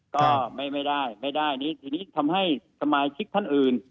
ก็ไม่ได้ไม่ได้นี่ทีนี้ทำให้สมาชิกท่านอื่น